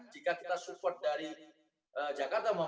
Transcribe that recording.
jika kita support dari jakarta